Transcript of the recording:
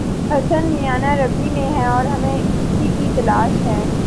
حسن میانہ روی میں ہے اور ہمیں آج اسی کی تلاش ہے۔